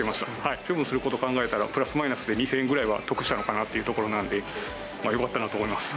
処分すること考えたら、プラスマイナスで２０００円ぐらいは得したのかなというところなんで、よかったなと思います。